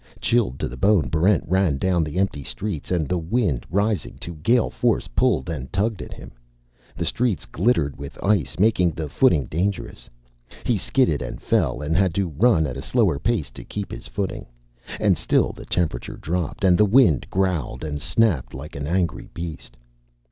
Chilled to the bone, Barrent ran down the empty streets, and the wind, rising to gale force, pulled and tugged at him. The streets glittered with ice, making the footing dangerous. He skidded and fell, and had to run at a slower pace to keep his footing. And still the temperature dropped, and the wind growled and snapped like an angry beast.